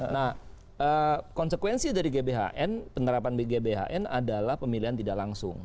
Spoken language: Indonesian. nah konsekuensi dari gbhn penerapan gbhn adalah pemilihan tidak langsung